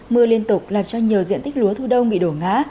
mưa liên tục làm cho nhiều diện tích lúa thu đông bị đổ ngã